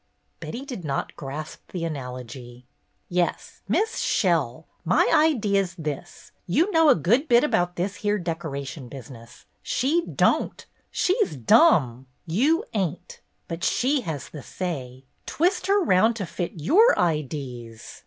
Betty did not grasp the analogy. "Yes, Miss Shell. My idee 's this. You know a good bit about this here decoration business. She don't. She 's dumm. You ain't. But she has the say. Twist her 'round to fit your idees.